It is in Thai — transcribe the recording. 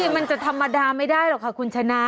มันจะธรรมดาไม่ได้หรอกค่ะคุณชนะ